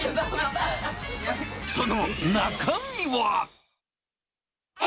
その中身は？